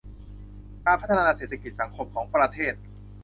การพัฒนาเศรษฐกิจสังคมของประเทศ